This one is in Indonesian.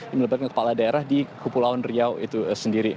yang melibatkan kepala daerah di kepulauan riau itu sendiri